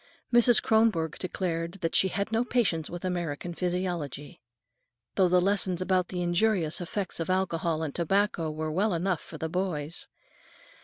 Mrs. Kronborg declared that she "had no patience with American physiology," though the lessons about the injurious effects of alcohol and tobacco were well enough for the boys.